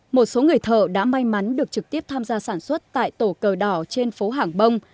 một số người thợ đã may mắn được trực tiếp tham gia sản xuất tại tổ cờ đỏ trên phố hàng bông